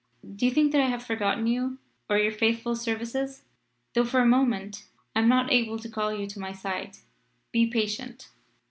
Do not think that I have forgotten you or your faithful services, though for a moment I am not able to call you to my side. Be patient."